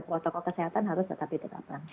protokol kesehatan harus tetap ditetapkan